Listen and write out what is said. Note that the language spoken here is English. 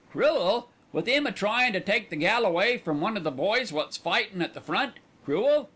"Cruel! with 'im a tryin' to take the gal away from one of the boys wot's fightin' at the front. Cruel!